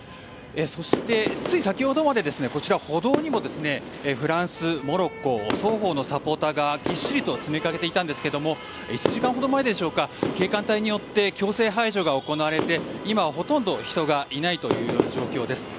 そして、つい先ほどまでこちら、歩道にもフランス、モロッコ双方のサポーターがぎっしりと詰めかけていたんですが１時間ほど前でしょうか警官隊によって強制排除が行われて今はほとんど人がいない状況です。